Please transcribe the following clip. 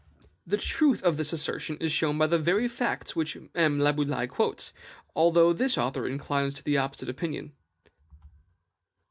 The truth of this assertion is shown by the very facts which M. Laboulaye quotes, although this author inclines to the opposite opinion.